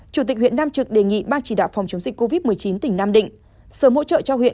chủ tịch huyện nam trực đề nghị ban chỉ đạo phòng chống dịch covid một mươi chín tỉnh nam định sớm hỗ trợ cho huyện